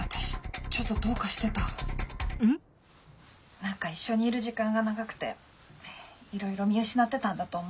何か一緒にいる時間が長くていろいろ見失ってたんだと思う。